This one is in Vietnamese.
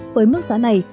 với mức giá này